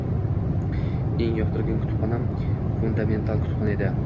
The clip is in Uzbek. Eng yoqtirgan kutubxonam Fundamental kutubxona edi.